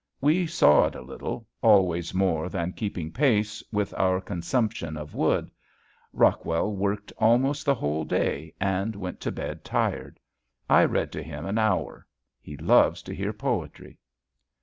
We sawed a little always more than keeping pace with our consumption of wood. Rockwell worked almost the whole day and went to bed tired. I read to him an hour. He loves to hear poetry.